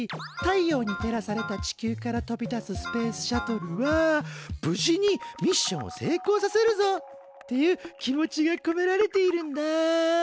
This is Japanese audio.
太陽に照らされた地球から飛び出すスペースシャトルは無事にミッションを成功させるぞっていう気持ちがこめられているんだ。